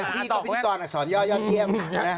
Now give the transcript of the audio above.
พี่ก่อนอักษรย่อเยี่ยม